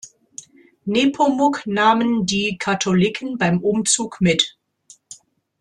Nepomuk nahmen die Katholiken beim Umzug mit.